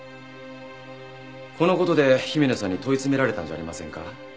この事で姫野さんに問い詰められたんじゃありませんか？